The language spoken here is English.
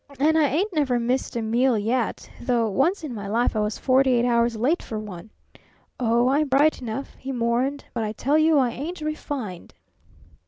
And I ain't never missed a meal yet though once in my life I was forty eight hours late for one! Oh, I'm bright enough," he mourned, "but I tell you I ain't refined."